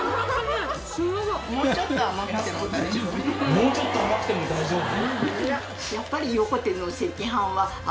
もうちょっと甘くても大丈夫？